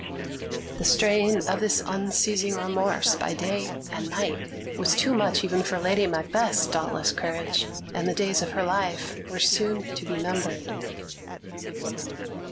The strain of this unceasing remorse by day and night was too much even for Lady Macbeth's dauntless courage, and the days of her life were soon to be numbered.